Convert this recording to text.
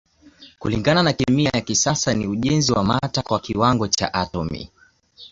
Kulingana na kemia ya kisasa ni ujenzi wa mata kwa kiwango cha atomi.